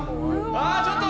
あーちょっと！